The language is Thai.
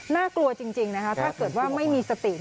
กลัวจริงนะคะถ้าเกิดว่าไม่มีสติ